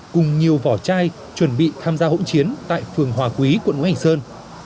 cùng nhiều vỏ chai chuẩn bị tham gia hỗn chiến tại phường hòa quý quận ngũ hành sơn